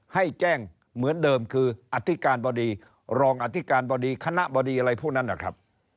ให้แจ้งเหมือนเดิมคืออธิการบดีรองอธิการบดีคณะบดีอะไรพวกนั้นนะครับ